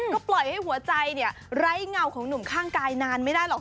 ก็ปล่อยให้หัวใจไร้เงาของหนุ่มข้างกายนานไม่ได้หรอก